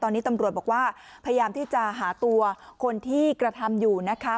ตอนนี้ตำรวจบอกว่าพยายามที่จะหาตัวคนที่กระทำอยู่นะคะ